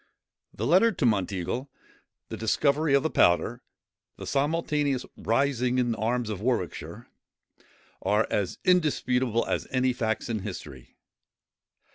The letter to Monteagle, the discovery of the powder, the simultaneous rising in arms in Warwickshire,—are as indisputable as any facts in history.